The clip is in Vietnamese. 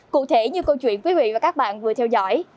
cụ thể như câu chuyện quý vị và các bạn vừa theo dõi